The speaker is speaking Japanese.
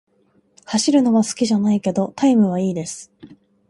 走るのは好きじゃないけど、タイムは良いです。